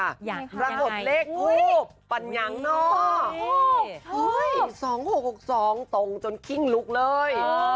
รางวัลเลขทูปปัญญังเนาะ๒๖๖๒ตรงจนขิ้งลุกเลย